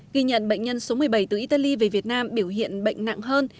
ghi nhận bệnh nhân số một mươi bảy từ italy về việt nam biểu hiện bệnh nặng hơn